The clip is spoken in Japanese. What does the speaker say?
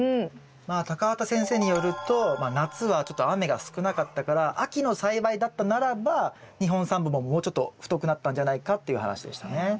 畑先生によると夏はちょっと雨が少なかったから秋の栽培だったならば２本３本ももうちょっと太くなったんじゃないかっていう話でしたね。